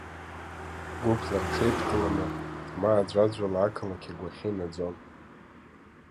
Гәыԥла рҽеидкыланы, ма аӡәаӡәала ақалақь агәахьы инаӡон.